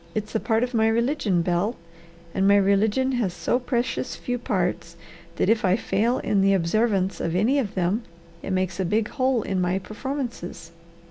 It's a part of my religion, Bel. And my religion has so precious few parts that if I fail in the observance of any of them it makes a big hole in my performances.